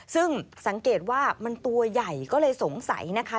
ซึ่งสังเกตว่ามันตัวใหญ่ก็เลยสงสัยนะคะ